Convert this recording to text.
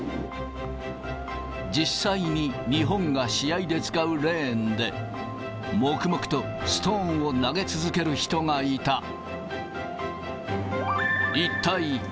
実際に日本が試合で使うレーンで、黙々とストーンを投げ続ける人がいた。